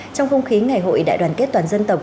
trong không khí ngày hội đại đoàn kết toàn dân tộc